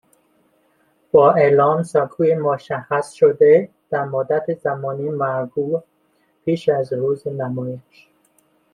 با اعلام سکوی مشخّصشده در مدّت زمانی معقول پیش از روز نمایش.